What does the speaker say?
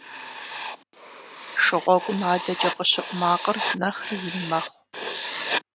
Шыгъуэгум адэкӏэ къыщыӏу макъыр нэхъри ин мэхъу.